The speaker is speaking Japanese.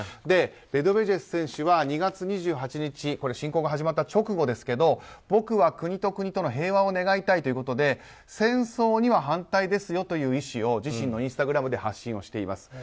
メドベージェフ選手は２月２８日侵攻が始まった直後ですが僕は国と国との平和を願いたいということで戦争には反対ですよという意思を自身のインスタグラムで発信をしています。